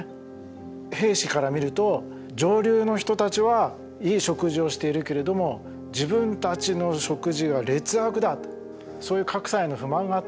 兵士から見ると上流の人たちはいい食事をしているけれども自分たちの食事は劣悪だとそういう格差への不満があったんですね。